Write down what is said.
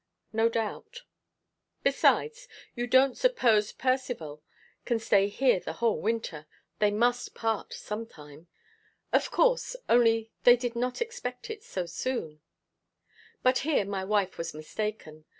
"No doubt." "Besides, you don't suppose Percivale can stay here the whole winter. They must part some time." "Of course. Only they did not expect it so soon." But here my wife was mistaken.